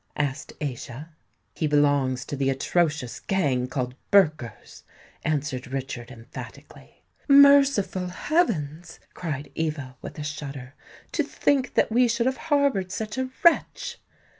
asked Aischa. "He belongs to the atrocious gang called Burkers," answered Richard emphatically. "Merciful heavens!" cried Eva, with a shudder. "To think that we should have harboured such a wretch!"